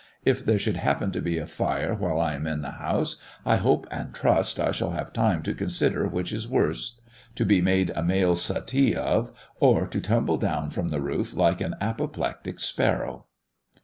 If there should happen to be a fire while I am in the house, I hope and trust I shall have time to consider which is worst, to be made a male suttee of, or to tumble down from the roof like an apoplectic sparrow."